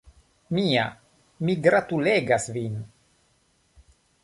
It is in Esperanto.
Mia, mi gratulegas vin!